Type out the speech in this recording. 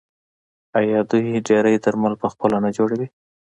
آیا دوی ډیری درمل پخپله نه جوړوي؟